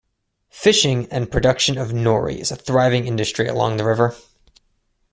Fishing and production of nori is a thriving industry along the river.